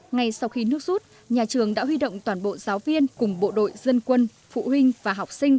ngay sau khi nước rút nhà trường đã huy động toàn bộ giáo viên cùng bộ đội dân quân phụ huynh và học sinh